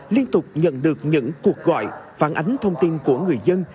liên tục nhận được những cuộc gọi phản ánh thông tin của người dân